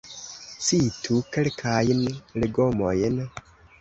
Citu kelkajn legomojn?